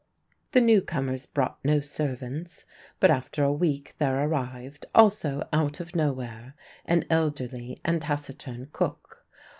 The newcomers brought no servants; but after a week there arrived (also out of nowhere) an elderly and taciturn cook.